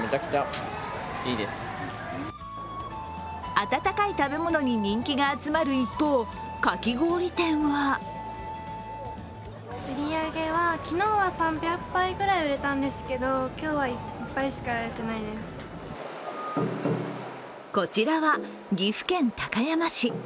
温かい食べ物に人気が集まる一方、かき氷店はこちらは岐阜県高山市。